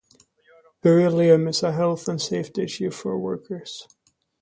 Beryllium is a health and safety issue for workers.